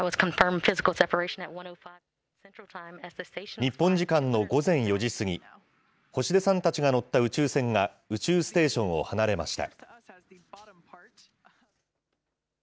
日本時間の午前４時過ぎ、星出さんたちが乗った宇宙船が宇宙ステーションを離れました。